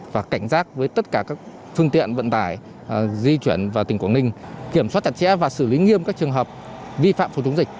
và cảnh giác với tất cả các phương tiện vận tải di chuyển vào tỉnh quảng ninh kiểm soát chặt chẽ và xử lý nghiêm các trường hợp vi phạm phòng chống dịch